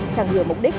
chẳng hưởng mục đích